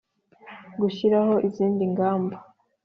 Gushyiraho izindi ngamba